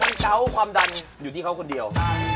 มันเกาะความดันอยู่ที่เขาคนเดียว